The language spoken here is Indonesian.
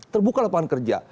terbuka lapangan kerja